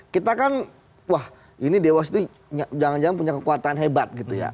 kita kan wah ini dewas itu jangan jangan punya kekuatan hebat gitu ya